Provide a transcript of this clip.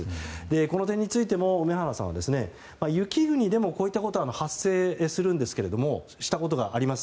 この点についても、梅原さんは雪国でもこういったことは発生したことがあります。